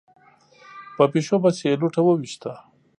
په پيشو پسې يې لوټه وويشته.